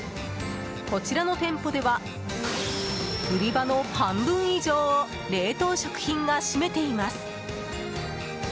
こちらの店舗では売り場の半分以上を冷凍食品が占めています。